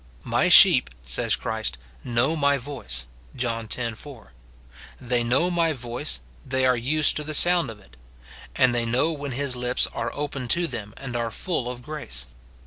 " My sheep," says Christ, "know my voice," John x. 4; —" They know my voice ; they are used to the sound of it;" and they know when his lips are opened to them and are full of grace.